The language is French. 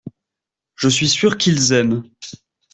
Je suis sûr qu’ils aiment.